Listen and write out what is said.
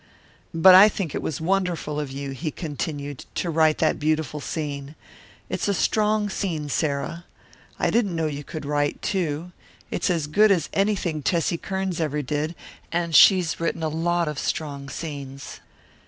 "But I think it was wonderful of you," he continued, "to write that beautiful scene. It's a strong scene, Sarah. I didn't know you could write, too. It's as good as anything Tessie Kearns ever did, and she's written a lot of strong scenes."